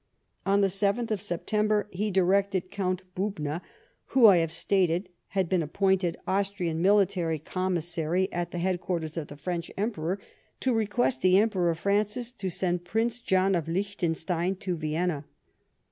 On the 7th September, he directed Count Bubna, who, I have stated, had been appointed Austrian Military Commissary at the headquarters of the French Emperor, to request the Emperor Francis to send Prince John of Liechtenstein to Vienna.